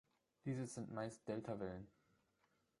Dieses sind meist Delta-Wellen.